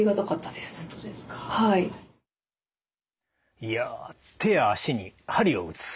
いや手や足に鍼を打つ。